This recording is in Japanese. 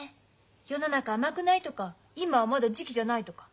「世の中甘くない」とか「今はまだ時期じゃない」とか。